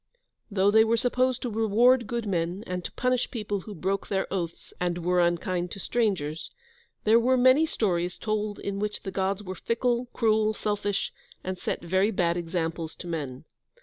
Though they were supposed to reward good men, and to punish people who broke their oaths and were unkind to strangers, there were many stories told in which the Gods were fickle, cruel, selfish, and set very bad examples to men.